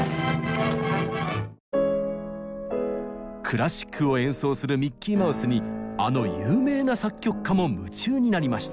クラシックを演奏するミッキーマウスにあの有名な作曲家も夢中になりました。